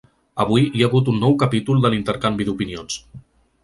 Avui hi ha hagut un nou capítol de l’intercanvi d’opinions.